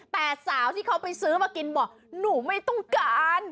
แต่สาวที่เขาไปซื้อมากินบอกหนูไม่ต้องการ